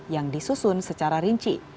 yang disusun secara rinci